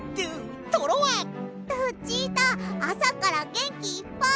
ルチータあさからげんきいっぱい！